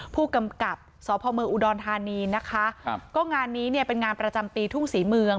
ผู้กำกับสพอุดรธานีก็งานนี้เป็นงานประจำปีทุ่งศรีเมือง